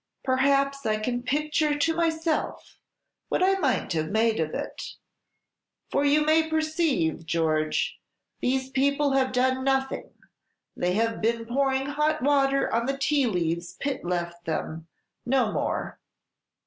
Perhaps I can picture to myself what I might have made of it; for you may perceive, George, these people have done nothing: they have been pouring hot water on the tea leaves Pitt left them, no more."